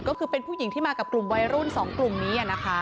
ก็คือเป็นผู้หญิงที่มากับกลุ่มวัยรุ่น๒กลุ่มนี้นะคะ